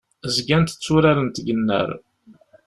Zgant tturarent deg unnar.